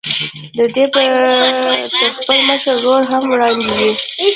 دی به تر خپل مشر ورور هم وړاندې وي.